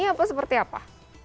atau seperti apa